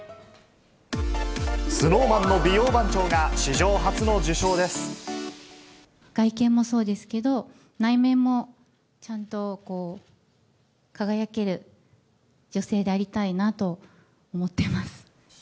ＳｎｏｗＭａｎの美容番長外見もそうですけど、内面もちゃんと輝ける女性でありたいなと思ってます。